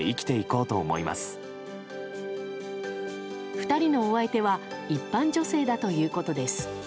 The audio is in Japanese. ２人のお相手は一般女性だということです。